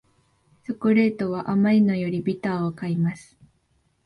チョコレートは甘いのよりビターを買います